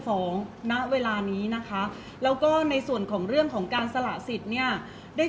เพราะว่าสิ่งเหล่านี้มันเป็นสิ่งที่ไม่มีพยาน